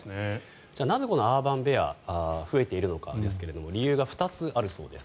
なぜこのアーバンベアが増えているのかですが理由が２つあるそうです。